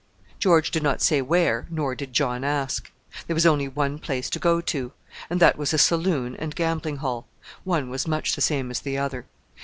George did not say where nor did John ask. There was only one place to go to, and that was a saloon and gambling hall: one was much the same as the other.